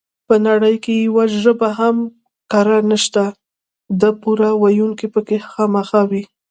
په نړۍ کې يوه ژبه هم کره نشته ده پور وييونه پکې خامخا وي